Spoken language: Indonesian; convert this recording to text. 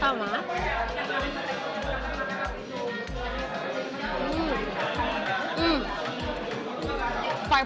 vibes rumahannya kerasa banget